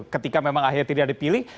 ketika memang akhirnya tidak dipilih